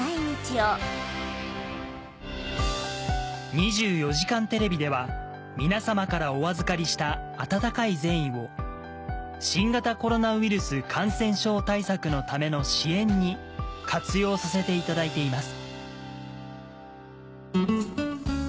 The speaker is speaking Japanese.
『２４時間テレビ』では皆様からお預かりした温かい善意を新型コロナウイルス感染症対策のための支援に活用させていただいています